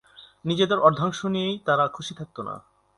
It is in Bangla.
নিজেদের অর্ধাংশ নিয়েই তারা খুশি থাকত না।